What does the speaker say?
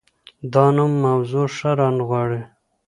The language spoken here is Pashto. دا نوم موضوع ښه رانغاړي.